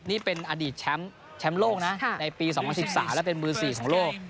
นี่เป็นอดีตแชมป์โลกนะในปี๒๐๑๓และเป็นมือ๔ของโลก